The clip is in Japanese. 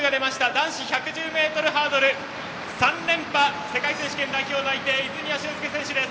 男子１１０ｍハードル３連覇世界選手権代表内定泉谷駿介選手です。